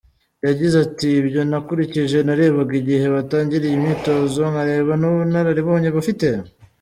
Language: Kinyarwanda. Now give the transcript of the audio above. Yagize ati “Ibyo nakurikije, narebaga igihe batangiriye imyitozo nkareba n’ubunararibonye bafite.